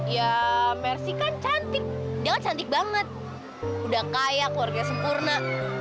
ya mersi kan cantik dia kan cantik banget udah kaya keluarga sempurna